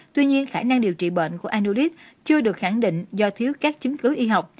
tuy nhiên khả năng điều trị bệnh của annoudit chưa được khẳng định do thiếu các chứng cứ y học